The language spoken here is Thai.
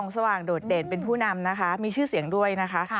สว่างโดดเด่นเป็นผู้นำนะคะมีชื่อเสียงด้วยนะคะ